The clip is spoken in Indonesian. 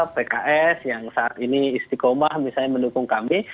pks yang saat ini istiqomah misalnya mendukung kami